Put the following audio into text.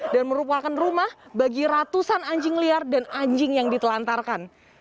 dan merupakan rumah bagi ratusan anjing liar dan anjing yang ditelantarkan